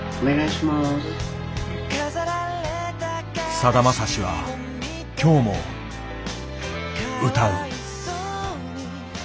さだまさしは今日も歌う。